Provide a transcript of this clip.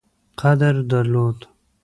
قدر درلود.